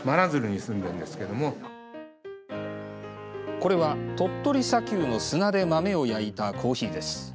これは鳥取砂丘の砂で豆を焼いたコーヒーです。